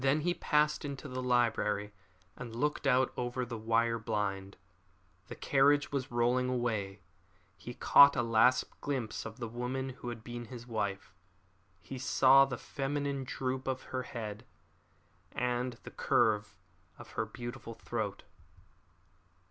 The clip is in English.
Then he passed into the library and looked out over the wire blind. The carriage was rolling away. He caught a last glimpse of the woman who had been his wife. He saw the feminine droop of her head, and the curve of her beautiful throat.